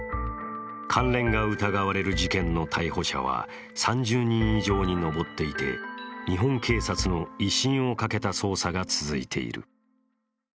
関連が疑われる事件の逮捕者は３０人以上に上っていて日本警察の威信をかけた捜査が続いている。